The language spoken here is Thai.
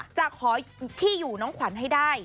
จะขอที่อยู่น้องขวัญให้ได้